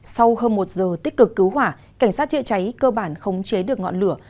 sau hơn một giờ tích cực cứu hỏa cảnh sát trịa cháy cơ bản không chế được ngọn lửa